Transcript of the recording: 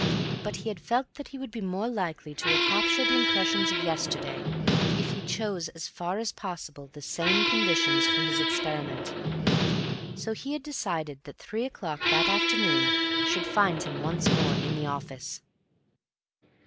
But he had felt that he would be more likely to recapture the impressions of yesterday if he chose as far as possible the same conditions for his experiment. So he had decided that three o'clock that afternoon should find him once more in the office.